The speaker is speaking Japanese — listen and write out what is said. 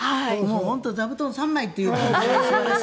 本当に座布団３枚という感じで素晴らしい。